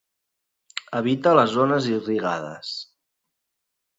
Evita les zones irrigades.